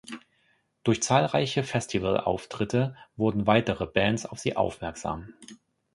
Durch zahlreiche Festival-Auftritte wurden weitere Bands auf sie aufmerksam.